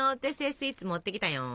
スイーツ持ってきたよん！